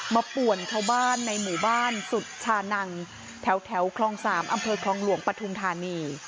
ป่วนชาวบ้านในหมู่บ้านสุชานังแถวคลอง๓อำเภอคลองหลวงปฐุมธานี